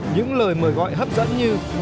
những lời mời gọi hấp dẫn như